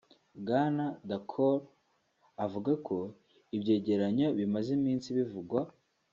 Bwana Daccord avuga ko ibyegeranyo bimaze iminsi bivugwa